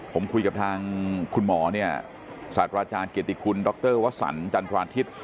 ผมคุยกับทางคุณหมอสาธาราชาญเกียรติคุณดรวัสสันจันทราธิต